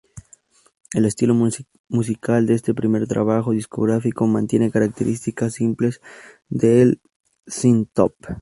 El estilo musical de este primer trabajo discográfico mantiene características simples del Synthpop.